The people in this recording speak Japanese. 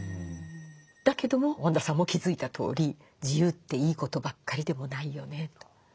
だけども本田さんも気付いたとおり自由っていいことばっかりでもないよねと。